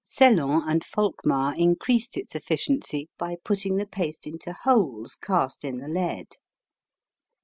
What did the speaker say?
Sellon and Volckmar increased its efficiency by putting the paste into holes cast in the lead.